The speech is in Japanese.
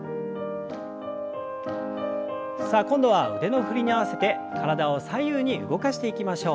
さあ今度は腕の振りに合わせて体を左右に動かしていきましょう。